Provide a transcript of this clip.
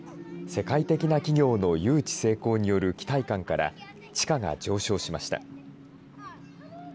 世界的な企業の誘致成功による期待感から、地価が上昇しました。